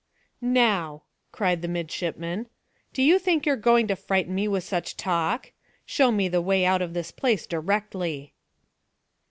"Now!" cried the midshipman. "Do you think you are going to frighten me with such talk? Show me the way out of this place directly."